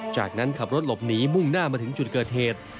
จากนั้นขับรถหลบหนีมุ่งหน้ามาถึงจุดเกิดเหตุ